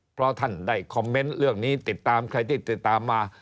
เพราะท่านได้คอมเมนต์เรื่องนี้ติดตามใครที่ติดตามมา